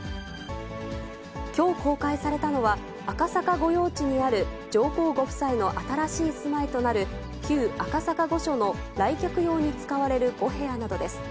きょう公開されたのは、赤坂御用地にある上皇ご夫妻の新しい住まいとなる、旧赤坂御所の来客用に使われる５部屋などです。